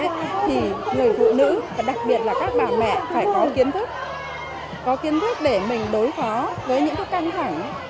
thì người phụ nữ đặc biệt là các bà mẹ phải có kiến thức để mình đối phó với những căng thẳng